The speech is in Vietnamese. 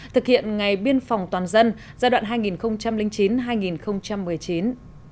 thực hiện ngày biên phòng toàn dân giai đoạn hai nghìn chín hai nghìn một mươi chín